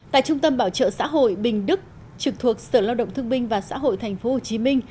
tại trung tâm bảo trợ xã hội bình đức trực thuộc sở lao động thương binh và xã hội tp hcm